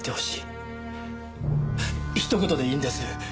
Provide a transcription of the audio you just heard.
一言でいいんです。